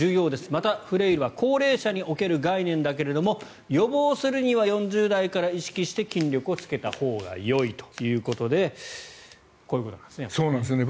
また、フレイルは高齢者における概念だけれども予防するには４０代から意識して筋力をつけたほうがよいということでこういうことなんですね。